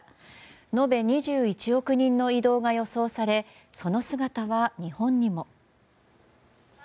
延べ２１億人の移動が予想されその姿は日本にも。